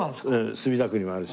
墨田区にもあるし。